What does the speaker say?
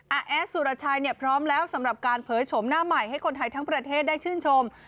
แอดสุรชัยเนี่ยพร้อมแล้วสำหรับการเผยโฉมหน้าใหม่ให้คนไทยทั้งประเทศได้ชื่นชม